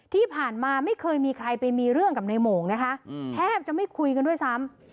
ที่ผ่านมาไม่เคยมีใครไปมีเรื่องกับในโมงนะคะแทบจะไม่คุยกันด้วยซ้ำ